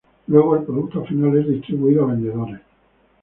Luego, el producto final es distribuido a vendedores.